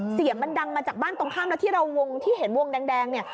เสียงมันดังมาจากบ้านตรงข้ามแล้วที่เราวงที่เห็นวงแดงเนี่ย